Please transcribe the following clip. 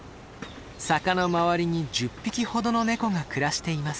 坂の周りに１０匹ほどのネコが暮らしています。